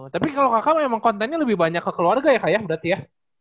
tapi kalau kakak memang kontennya lebih banyak ke keluarga ya kak ya berarti ya